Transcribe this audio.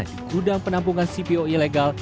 di gudang penampungan cpo ilegal